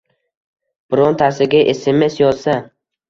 birontasiga sms yozsa